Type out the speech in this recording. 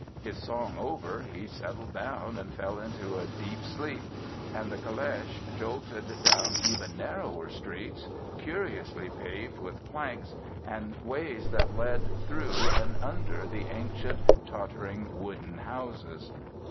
His song over, he settled down and fell into a deep sleep, and the caleche jolted down even narrower streets, curiously paved with planks, and ways that led through and under the ancient, tottering wooden houses.